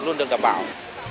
luôn được đảm bảo